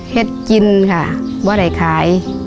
เห็ดกินค่ะว่าได้ขาย